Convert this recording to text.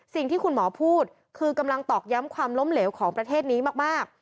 สิ่งที่คุณหมอพูดคือกำลังตอกย้ำความล้มเหลวของประเทศนี้มาก